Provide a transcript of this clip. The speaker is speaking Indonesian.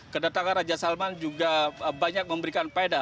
kedatangan raja salman juga banyak memberikan peda